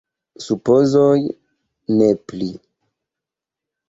Supozoj, ne pli.